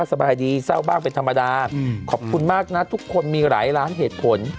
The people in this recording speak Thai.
สบายดีเศร้าบ้างเป็นธรรมดาขอบคุณมากนะทุกคนมีหลายล้านเหตุผล